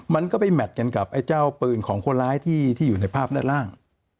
มันก็ไปแมทกันกับไอ้เจ้าปืนของคนร้ายที่อยู่ในภาพด้านล่าง